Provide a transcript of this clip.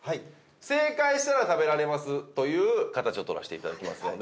正解したら食べられますという形を取らせて頂きますので。